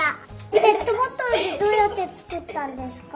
ペットボトルってどうやってつくったんですか？